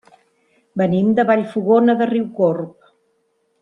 Venim de Vallfogona de Riucorb.